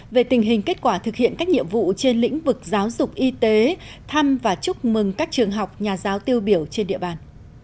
về tình hình kết quả thực hiện các nhiệm vụ trên lĩnh vực giáo dục y tế thăm và chúc mừng các trường học nhà giáo tiêu biểu trên địa bàn